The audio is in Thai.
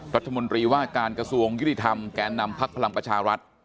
รัฐมนตรีว่าการกระทรวงยุติธรรมแกนนำพักพลังประชารัฐ